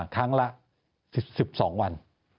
ครั้งละ๑๒วัน